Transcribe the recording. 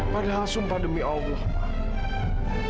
padahal sumpah demi allah